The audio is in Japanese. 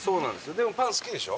でもパン好きでしょ？